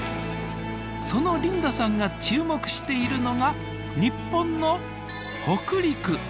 そのリンダさんが注目しているのが日本の北陸。